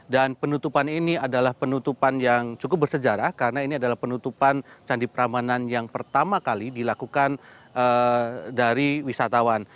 dan penutupan ini adalah penutupan yang cukup bersejarah karena ini adalah penutupan candi perambanan yang pertama kali dilakukan dari wisatawan